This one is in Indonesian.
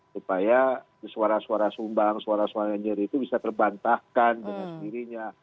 supaya suara suara sumbang suara suara yang nyeri itu bisa terbantahkan dengan sendirinya